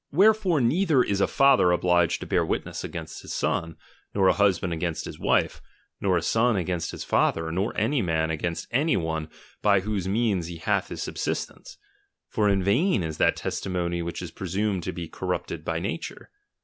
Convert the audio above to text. Wherefore neither is a father obliged to bear witness against his son, nor a husband against his wife, nor a son against his father, nor any man against any one by whose means he hath his sub sistence ; for in vain is that testimony which is presumed to be corrupted from nature.